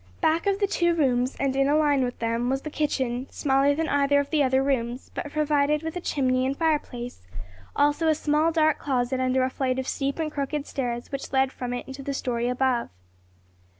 Back of the two rooms and in a line with them, was the kitchen; smaller than either of the other rooms, but provided with a chimney and fireplace; also a small, dark closet under a flight of steep and crooked stairs which led from it to the story above.